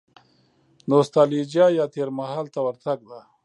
نو ستالجیا یا تېر مهال ته ورتګ ده.